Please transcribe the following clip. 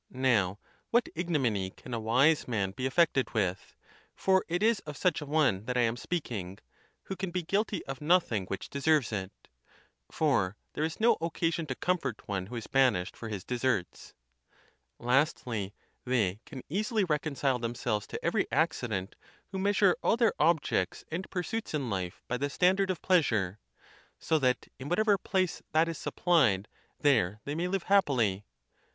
Now, what ignominy can a wise man be affected with (for it is of such a one that I am speak ing) who can be guilty of nothing which deserves it? for there is no occasion to comfort one who is banished for his deserts. Lastly, they can easily reconcile themselves to every accident who measure all their objects and pur suits in life by the standard of pleasure; so that in what ever place that is supplied, there they may live happily.